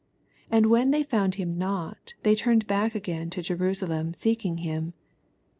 46 And when they found him not, thev turned back again to Jerusalem, seeKing him.